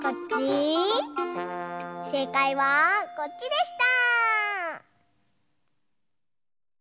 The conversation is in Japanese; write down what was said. せいかいはこっちでした！